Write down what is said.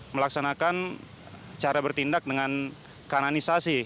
melaksanakan cara bertindak dengan kananisasi